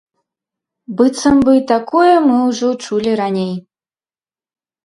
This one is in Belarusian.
Быццам бы такое мы ўжо чулі раней.